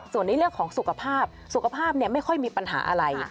ส่วนในเรื่องของสุขภาพสุขภาพไม่ค่อยมีปัญหาอะไร